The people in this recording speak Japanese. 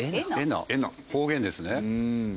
方言ですね。